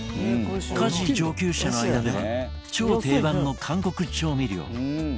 家事上級者の間では超定番の韓国調味料。